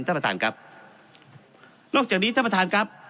ท่านประธานครับนอกจากนี้ท่านประธานครับ